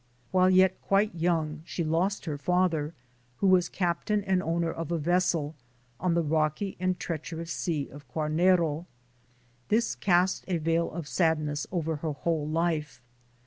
While yet quite young, she lost her father, who was captain and owner of a vessel, on the rocky and treacherous sea of Quarnero. This cast a veil of sadness over her whole life.